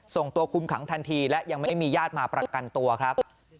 ส่งตัวคุมขังทันทีและยังไม่มีญาติมาประกันตัวครับ